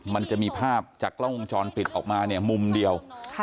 มันจะมีภาพจากกล้องวงจรปิดออกมาเนี่ยมุมเดียว